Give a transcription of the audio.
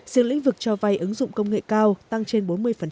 riêng lĩnh vực cho vay ứng dụng công nghệ cao tăng trên bốn mươi